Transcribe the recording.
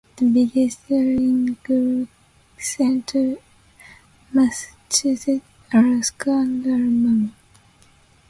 The biggest are in Gloucester, Massachusetts, Alaska and Alabama.